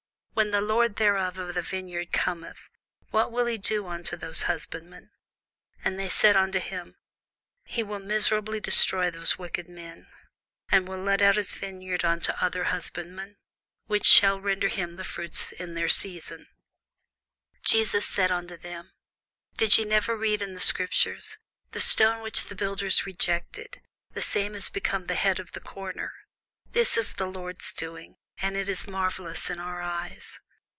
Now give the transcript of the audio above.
When the lord therefore of the vineyard cometh, what will he do unto those husbandmen? They say unto him, He will miserably destroy those wicked men, and will let out his vineyard unto other husbandmen, which shall render him the fruits in their seasons. Jesus saith unto them, Did ye never read in the scriptures, The stone which the builders rejected, the same is become the head of the corner: this is the Lord's doing, and it is marvellous in our eyes?